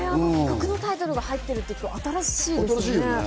曲のタイトルが入っているって新しいですよね。